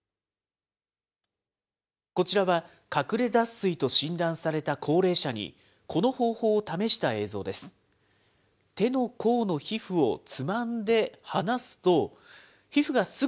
こちらはかくれ脱水と診断された高齢者に、この方法を試した映像です。